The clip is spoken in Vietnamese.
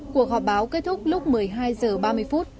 cuộc họp báo kết thúc lúc một mươi hai h ba mươi phút